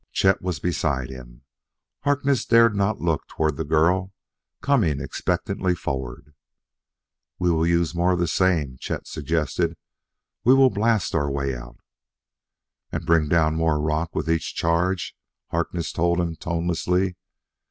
Chet was beside him; Harkness dared not look toward the girl coming expectantly forward. "We'll use more of the same," Chet suggested: "we will blast our way out." "And bring down more rock with each charge," Harkness told him tonelessly.